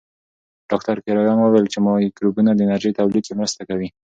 ډاکټر کرایان وویل چې مایکروبونه د انرژۍ تولید کې مرسته کوي.